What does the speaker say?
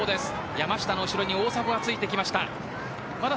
山下の後ろに大迫がついてきました。